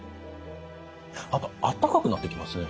あとあったかくなってきますね。